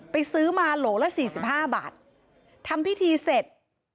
ไปซื้อมาโหลละ๔๕บาททำพิธีเสร็จ